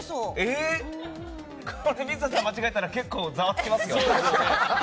水田さん間違えたら結構、ざわつきますよ。